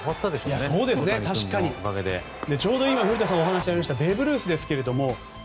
ちょうど古田さんのお話にありましたベーブ・ルース。